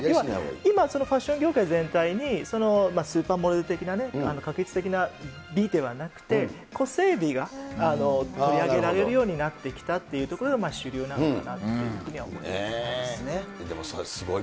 今はファッション業界全体にスーパーモデル的なね、画一的な美ではなくて、個性美が取り上げられるようになってきたというところが主流なのでも、すごい。